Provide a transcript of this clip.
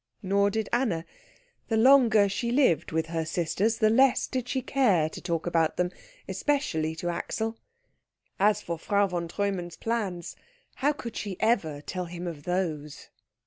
Nor did Anna. The longer she lived with her sisters the less did she care to talk about them, especially to Axel. As for Frau von Treumann's plans, how could she ever tell him of those?